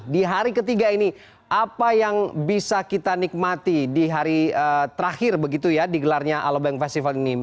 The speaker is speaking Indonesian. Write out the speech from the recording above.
di hari ketiga ini apa yang bisa kita nikmati di hari terakhir begitu ya digelarnya alobank festival ini